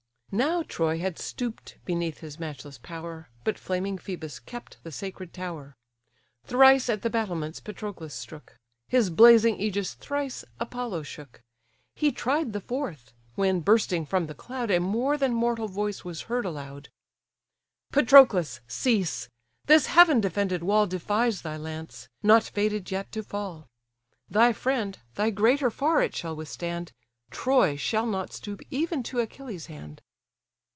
Now Troy had stoop'd beneath his matchless power, But flaming Phœbus kept the sacred tower. Thrice at the battlements Patroclus strook; His blazing ægis thrice Apollo shook; He tried the fourth; when, bursting from the cloud, A more than mortal voice was heard aloud. "Patroclus! cease; this heaven defended wall Defies thy lance; not fated yet to fall; Thy friend, thy greater far, it shall withstand, Troy shall not stoop even to Achilles' hand."